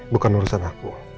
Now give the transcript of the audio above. bukan urusan aku